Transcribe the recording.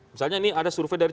misalnya ini ada survei dari